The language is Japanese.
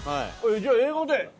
じゃあ英語で。